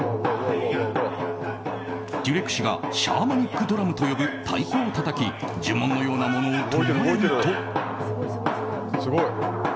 デュレク氏がシャーマニックドラムと呼ぶ太鼓をたたき呪文のようなものを唱えると。